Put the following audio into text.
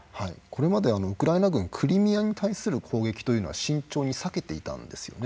これまでウクライナ軍クリミアに対する攻撃というのは慎重に避けていたんですよね。